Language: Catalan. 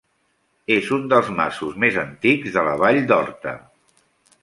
És un dels masos més antics de la vall d'Horta.